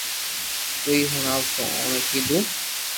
تو ھي ھڻاو تو اوڻي ڪيدو